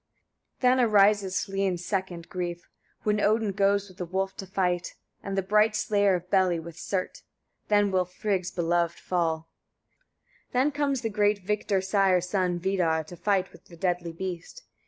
53. Then arises Hlîn's second grief, when Odin goes with the wolf to fight, and the bright slayer of Beli with Surt. Then will Frigg's beloved fall. 54. Then comes the great victor sire's son, Vidar, to fight with the deadly beast.